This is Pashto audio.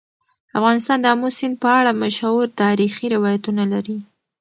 افغانستان د آمو سیند په اړه مشهور تاریخي روایتونه لري.